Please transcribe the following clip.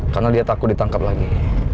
karena dia takut ditangkap lagi